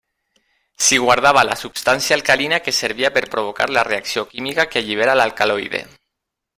S'hi guardava la substància alcalina que servia per provocar la reacció química que allibera l'alcaloide.